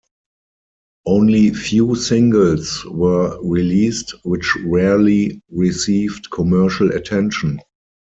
Only few singles were released, which rarely received commercial attention.